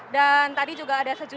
dan tadi juga ada sejujurnya